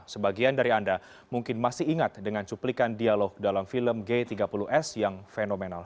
sebagian dari anda mungkin masih ingat dengan cuplikan dialog dalam film g tiga puluh s yang fenomenal